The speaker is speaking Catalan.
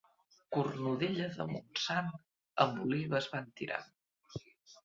Cornudella de Montsant, amb olives van tirant.